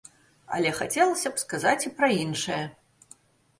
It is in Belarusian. Але хацелася б сказаць і пра іншае.